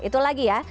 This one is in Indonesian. itu lagi ya